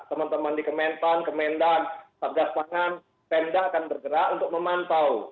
teman teman di kementan kemendan sabgas pangan penda akan bergerak untuk memantau